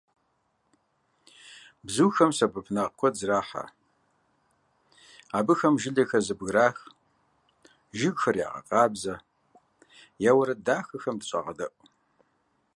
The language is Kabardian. Бзухэм сэбэпынагъ куэд зэрахьэ. Абыхэм жылэхэр зэбгырах, жыгхэр ягъэкъабзэ, я уэрэд дахэхэм дыщӀагъэдэӀу.